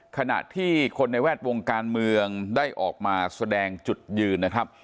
ขณะที่คนในแวดวงการเมืองได้ออกมาแสดงจุดยืนนะครับ